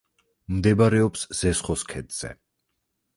მდებარეობს ზესხოს ქედზე.